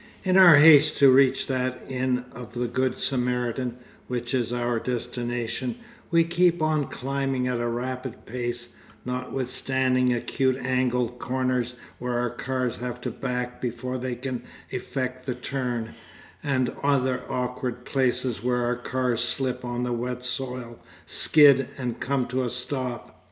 In our haste to reach that Inn of the Good Samaritan, which is our destination, we keep on climbing at a rapid pace, notwithstanding acute angled corners where our cars have to back before they can effect the turn, and other awkward places where our cars slip on the wet soil, skid, and come to a stop.